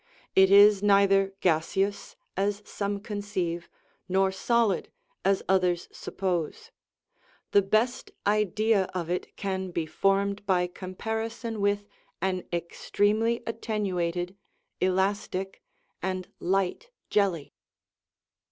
It is neither gaseous, as some conceive, nor solid, as others suppose; the best idea of it can be formed by comparison with an extremely attenuated, elastic, and light jelly.